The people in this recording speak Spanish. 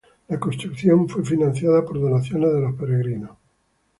La construcción fue financiada por donaciones de los peregrinos.